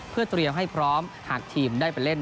เพื่อเตรียมให้พร้อมหากทีมได้ไปเล่น